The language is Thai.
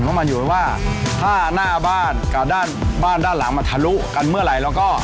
เพราะมันอยู่ว่าถ้าหน้าบ้านกับด้านบ้านด้านหลังมาทะลุกันเมื่อไหร่แล้วก็